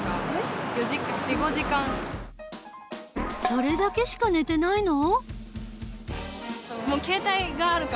それだけしか寝てないの？